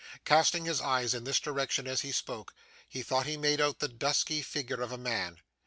Casting his eyes in this direction as he spoke, he thought he made out the dusky figure of a man.